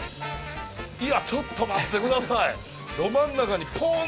いやちょっと待って下さい！